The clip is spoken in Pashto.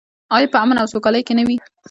آیا په امن او سوکالۍ کې نه وي؟